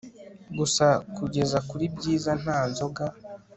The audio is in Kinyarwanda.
Gusa kugeza kuribyiza nta nzoga